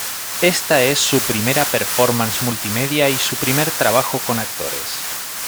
Esta es su primera performance multimedia, y su primer trabajo con actores.